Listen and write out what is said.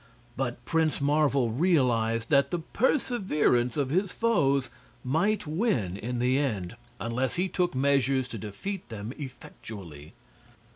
But Prince Marvel realized that the perseverance of his foes might win in the end, unless he took measures to defeat them effectually.